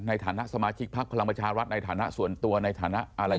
ในฐานะสมาชิกพักพลังประชารัฐในฐานะส่วนตัวในฐานะอะไร